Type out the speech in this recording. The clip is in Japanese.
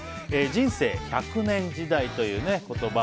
人生１００年時代という言葉